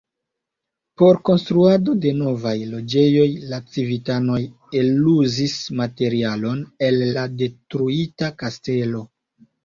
Por konstruado de novaj loĝejoj la civitanoj eluzis materialon el la detruita kastelo.